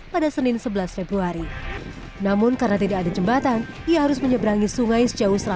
pada senin sebelas februari namun karena tidak ada jembatan ia harus menyeberangi sungai sejauh